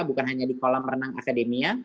bukan hanya di kolam renang academia